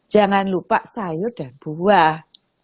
jangan lupa sayur dan buah